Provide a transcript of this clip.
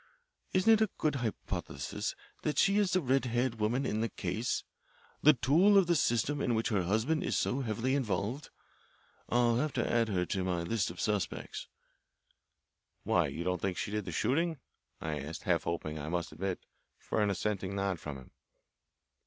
Isn't it a good hypothesis that she is the red haired woman in the case, the tool of the System in which her husband is so heavily involved? I'll have to add her to my list of suspects." "Why, you don't think she did the shooting?" I asked, half hoping, I must admit, for an assenting nod from him.